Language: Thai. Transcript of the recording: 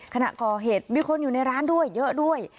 ขณะก่อเหตุมีคนอยู่ในร้านด้วยเยอะด้วย